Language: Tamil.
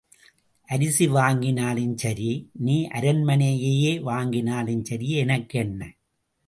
அரிசி வாங்கினாலும் சரி, நீ அரண்மனையையே வாங்கினாலும் சரி, எனக்கென்ன?